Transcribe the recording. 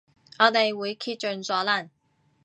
我哋會竭盡所能